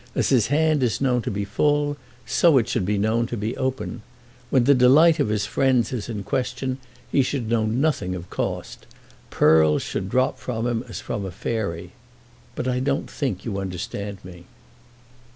As his hand is known to be full, so it should be known to be open. When the delight of his friends is in question he should know nothing of cost. Pearls should drop from him as from a fairy. But I don't think you understand me."